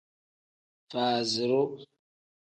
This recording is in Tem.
Faaziru.